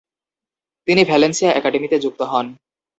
তিনি ভ্যালেন্সিয়া একাডেমীতে যুক্ত হন।